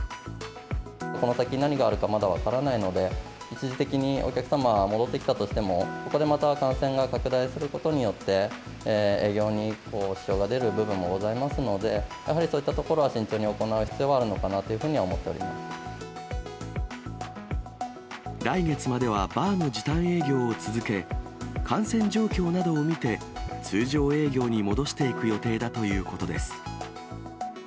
この先、何があるかまだ分からないので、一時的にお客様が戻ってきたとしても、そこでまた感染が拡大することによって、営業に支障が出る部分もございますので、やはり、そういったところは慎重に行う必要があ来月まではバーの時短営業を続け、感染状況などを見て、通常営業に戻していく予定だということです。